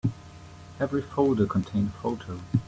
Every folder contained a photo.